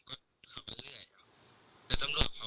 อ่าแล้วเราก็ไม่จอด